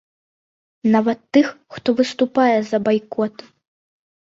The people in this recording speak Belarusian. Нават тых, хто выступае за байкот.